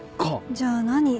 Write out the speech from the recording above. じゃあ何？